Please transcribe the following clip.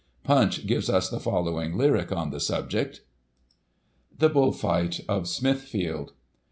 Punck gives us the following lyric on the subject : The Bull Fight of Smithfield.